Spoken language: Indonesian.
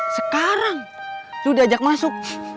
sekarang lo udah ajak masuk